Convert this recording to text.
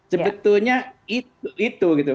sebetulnya itu itu gitu